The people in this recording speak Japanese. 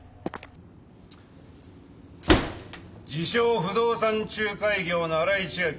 不動産仲介業の新井千晶。